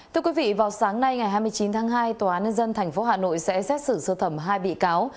thưa quý vị vào sáng nay ngày hai mươi chín tháng hai tòa án nhân dân tp hà nội sẽ xét xử sơ thẩm hai bị cáo